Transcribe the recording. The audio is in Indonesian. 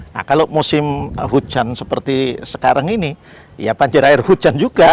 nah kalau musim hujan seperti sekarang ini ya banjir air hujan juga